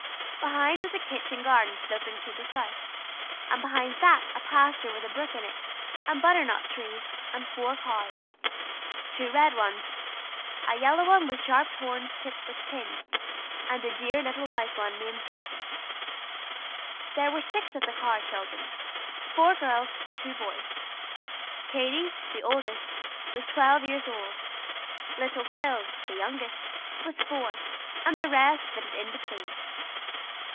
Behind was a kitchen garden sloping to the south; and behind that a pasture with a brook in it, and butternut trees, and four cows two red ones, a yellow one with sharp horns tipped with tin, and a dear little white one named Daisy. There were six of the Carr children four girls and two boys. Katy, the oldest, was twelve years old; little Phil, the youngest, was four, and the rest fitted in between.